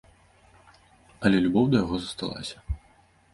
Але любоў да яго засталася.